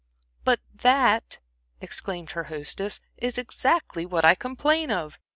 "But that," exclaimed her hostess, "is exactly what I complain of.